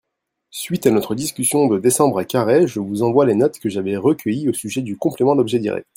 suite à notre discussion de décembre à Carhaix, je vous envoi les notes que j'avais recueillies au sujet du complément d'objet direct.